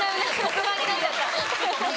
特番になっちゃった。